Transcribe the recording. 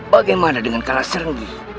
bagaimana dengan kalah serenggih